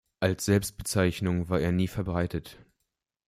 Als Selbstbezeichnung war er nie verbreitet.